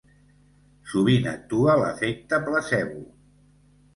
Sovint actua l’efecte placebo.